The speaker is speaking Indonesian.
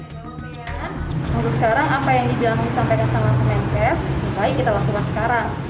kemudian untuk sekarang apa yang dibilang disampaikan sama kemenkes baik kita lakukan sekarang